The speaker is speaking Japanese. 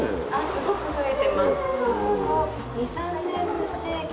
すごく増えてます。